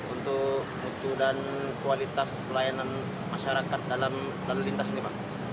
untuk dan kualitas pelayanan masyarakat dalam lalu lintas ini pak